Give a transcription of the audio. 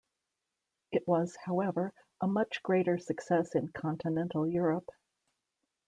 It was, however, a much greater success in Continental Europe.